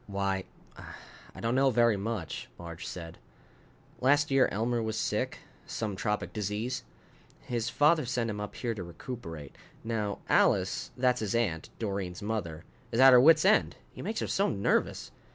"Why, I don't know very much," Marge said. "Last year Elmer was sick, some tropic disease. His father sent him up here to recuperate. Now Alice that's his aunt, Doreen's mother is at her wits' end, he makes her so nervous."